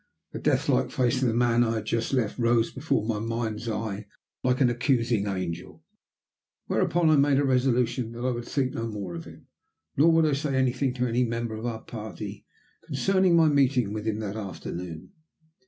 The death like face of the man I had just left rose before my mind's eye like an accusing angel, whereupon I made a resolution that I would think no more of him nor would I say anything to any member of our party concerning my meeting with him that afternoon.